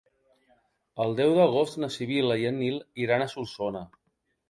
El deu d'agost na Sibil·la i en Nil iran a Solsona.